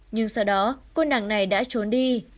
nhưng sau đó cô nàng này đã trốn đi